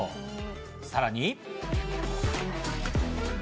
さらに。